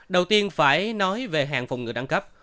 đầu tiên phải nói về hàng phong ngự đẳng cấp